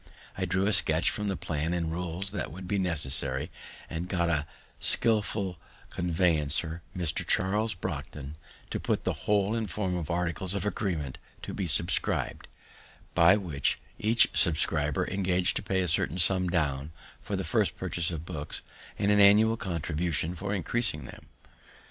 I drew a sketch of the plan and rules that would be necessary, and got a skilful conveyancer, Mr. Charles Brockden, to put the whole in form of articles of agreement to be subscribed, by which each subscriber engag'd to pay a certain sum down for the first purchase of books, and an annual contribution for increasing them.